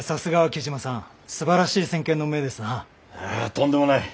とんでもない。